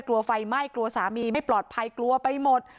กลัวไฟไหม้กลัวสามีไม่ปลอดภัยกลัวไปหมด